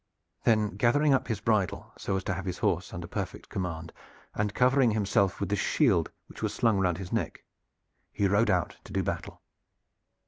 Then gathering up his bridle so as to have his horse under perfect command, and covering himself with the shield, which was slung round his neck, he rode out to do battle.